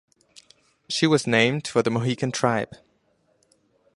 She was named for the Mohican tribe.